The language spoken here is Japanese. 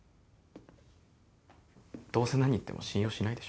どうせ何言っても信用しないでしょ。